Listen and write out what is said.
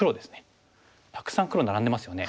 たくさん黒並んでますよね。